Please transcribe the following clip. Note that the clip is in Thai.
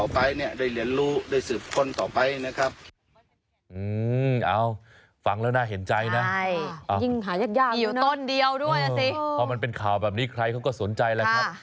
พอมันเป็นข่าวแบบนี้ใครเขาก็สนใจแล้วครับ